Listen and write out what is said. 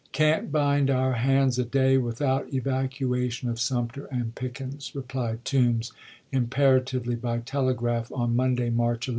" Can't bind our hands a day without evacuation of Sumter and Toombs to Pickens," replied Toombs imperatively by tele missioners, graph on Monday, March 11.